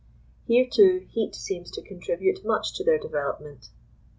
Here, too, heat seems to contribute much to their development.